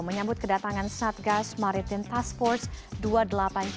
menyambut kedatangan satgas maritim task force dua puluh delapan g